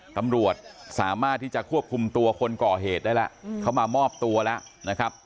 ตำรวจสามารถที่จะควบคุมตัวคนก่อเหตุได้แล้วเขามามอบตัวแล้วนะครับ